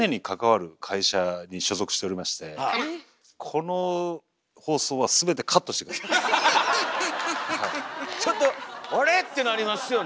私あの実はちょっとあれ？ってなりますよね。